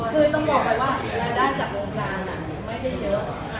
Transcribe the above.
คือต้องบอกไม่ว่าอย่าได้จากโรงการอ่ะไม่ได้เยอะ